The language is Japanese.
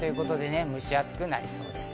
蒸し暑くなりそうです。